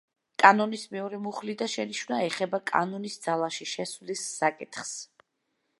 კანონის მეორე მუხლი და შენიშვნა ეხება კანონის ძალაში შესვლის საკითხს.